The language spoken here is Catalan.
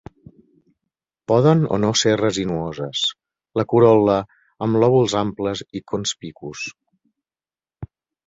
Poden o no ser resinoses. La corol·la amb lòbuls amples i conspicus.